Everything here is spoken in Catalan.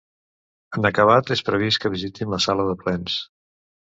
En acabat, és previst que visitin la sala de plens.